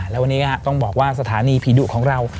แล้ววันนี้ก็ต้องบอกว่าสถานีผีดุของเรา